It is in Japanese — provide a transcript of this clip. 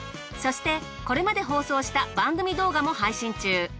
そしてこれまで放送した番組動画も配信中。